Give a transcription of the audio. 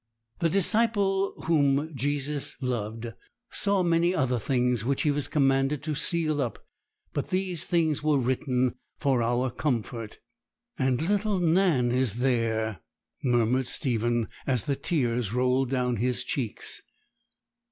The disciple whom Jesus loved saw many other things which he was commanded to seal up; but these things were written for our comfort.' 'And little Nan is there,' murmured Stephen, as the tears rolled down his cheeks.